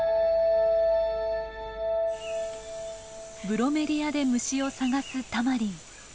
ブロメリアで虫を探すタマリン。